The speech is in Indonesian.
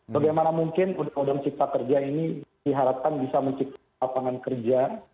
bagaimana mungkin undang undang cipta kerja ini diharapkan bisa menciptakan lapangan kerja